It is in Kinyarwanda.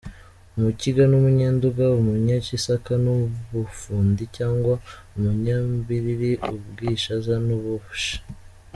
Umukiga n’umunyenduga, umunyaGisaka n’Ubufundu cg Ubunyambiriri, uBwishaza n’uBushi.